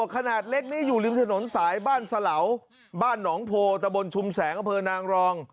ขนาดเล็กนี้อยู่ริมถนนสายบ้านสะเหลาบ้านหนองโพตะบนชุมแสงอำเภอนางรอง